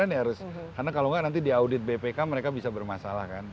lampiran ya harus karena kalau nggak nanti diaudit bpk mereka bisa bermasalah kan